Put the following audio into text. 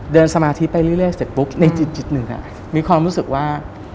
เดินสมาธิไปเรื่อยเรื่อยเสร็จปุ๊บในจิตจิตหนึ่งอ่ะมีความรู้สึกว่า